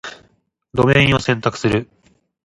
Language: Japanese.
ドメインを選択する